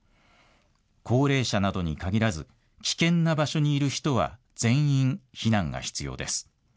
高齢者などに限らず危険な場所にいる人は全員避難が必要です。